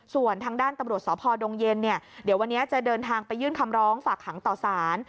ส่วนทางด้านตำรวจสพดงเย็นเนี่ยเดี๋ยววันนี้จะเดินทางไปยื่นคำร้องฝากขังต่อสาร